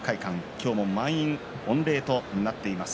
今日も満員御礼となっています。